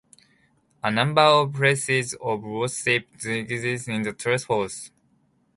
A number of places of worship exist in Treforest.